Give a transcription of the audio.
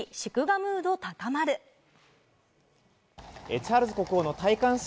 チャールズ国王の戴冠式。